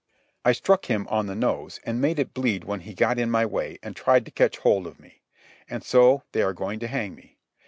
I struck him on the nose and made it bleed when he got in my way and tried to catch hold of me. And so they are going to hang me.